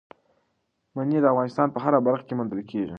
منی د افغانستان په هره برخه کې موندل کېږي.